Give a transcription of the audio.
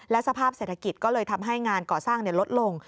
สภาพเศรษฐกิจก็เลยทำให้งานก่อสร้างลดลง